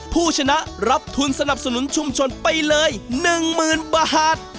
ผู้ชนะรับทุนสนับสนุนชุมชนไปเลย๑๐๐๐บาท